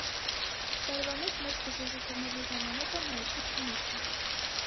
Տարվա մեջ մեծ բզեզի թռնելու ժամանակը մայիսից հունիսն է։